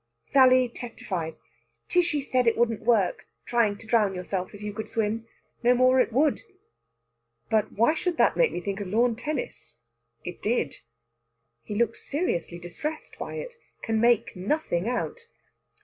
Sally testifies: "Tishy said it wouldn't work trying to drown yourself if you could swim. No more it would." "But why should that make me think of lawn tennis? It did." He looks seriously distressed by it can make nothing out.